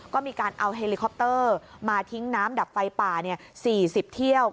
ก็มีการเอาเฮลิคอปเตอร์มาทิ้งน้ำดับไฟป่า๔๐เที่ยว